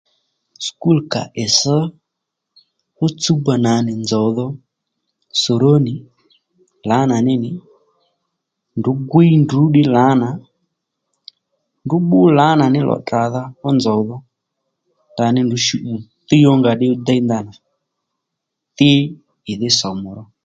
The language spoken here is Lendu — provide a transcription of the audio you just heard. Skul kà ì sš fú tsúba nǎ nì nzòw dho sòróni lǎnà ní nì ndrǔ gwíy ndrǔ ddí lǎnà ndrǔ bbú lǎnà ní lò tdradha fú nzòw dho ndaní ndrǔ shù thíy ó nga ddí déy ndanà tí ì dhí somu ró